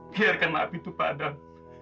biarkan maaf itu pak adam